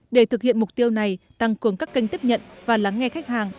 để thực hiện mục tiêu này tăng cường các kênh tiếp nhận và lắng nghe khách hàng